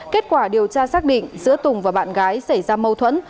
kết quả điều tra xác định giữa tùng và bạn gái xảy ra mâu thuẫn